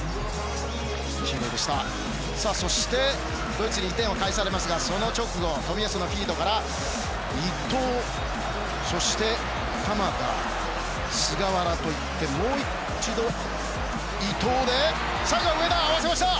そして、ドイツに１点を返されますがその直後冨安のフィードから伊東そして、鎌田、菅原といってもう一度伊東で最後は上田、合わせました！